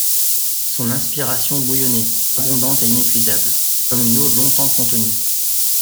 Son inspiration bouillonnait, abondante et inépuisable, comme une eau longtemps contenue.